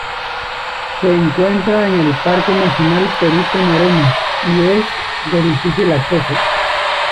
Se encuentra en el Parque Nacional Perito Moreno, y es de difícil acceso.